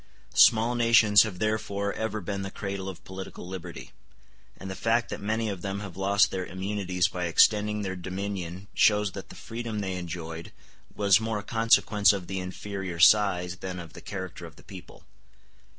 Small nations have therefore ever been the cradle of political liberty; and the fact that many of them have lost their immunities by extending their dominion shows that the freedom they enjoyed was more a consequence of the inferior size than of the character of the people.